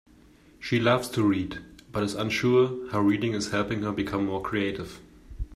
She loves to read, but is unsure how reading is helping her become more creative.